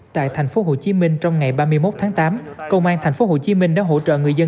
tại thành phố hồ chí minh trong ngày ba mươi một tháng tám công an thành phố hồ chí minh đã hỗ trợ người dân